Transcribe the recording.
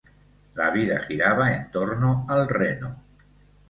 La vida giraba en torno al reno.